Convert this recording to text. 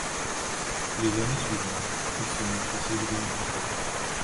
Les années suivantes, il se montre assez brillant.